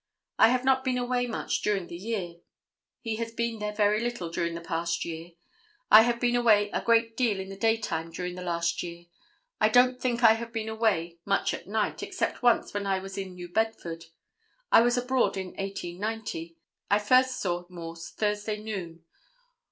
I have not been away much during the year. He has been there very little during the past year. I have been away a great deal in the daytime during the last year. I don't think I have been away much at night, except once when I was in New Bedford. I was abroad in 1890. I first saw Morse Thursday noon.